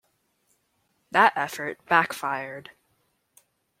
That effort backfired.